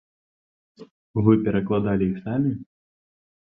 Вы перакладалі іх самі?